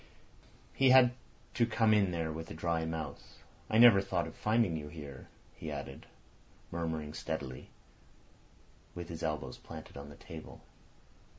He had to come in there with a dry mouth. "I never thought of finding you here," he added, murmuring steadily, with his elbows planted on the table.